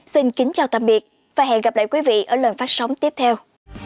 xin kính chào tạm biệt và hẹn gặp lại quý vị ở lần phát sóng tiếp theo